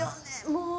もう。